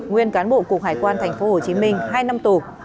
nguyên cán bộ cục hải quan tp hcm hai năm tù